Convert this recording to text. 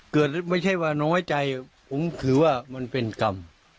เกิดไม่ใช่ว่าน้องไห้ใจผมคือว่ามันเป็นกรรม